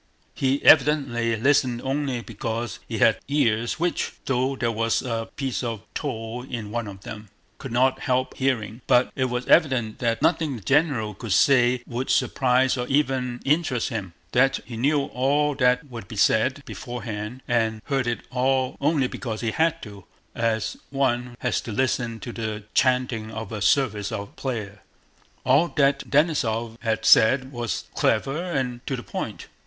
He evidently listened only because he had ears which, though there was a piece of tow in one of them, could not help hearing; but it was evident that nothing the general could say would surprise or even interest him, that he knew all that would be said beforehand, and heard it all only because he had to, as one has to listen to the chanting of a service of prayer. All that Denísov had said was clever and to the point.